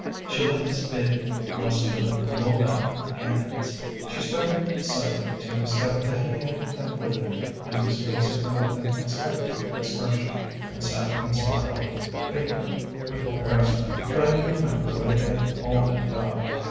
She liked his big, muscular, mobile hands.... She started suddenly, to discover that he had concluded and was facing her with an expectant expression, and sat up and smiled faintly, with embarrassment, trying to remember what it had all been about.